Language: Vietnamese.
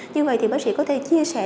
như vậy thì bác sĩ có thể chia sẻ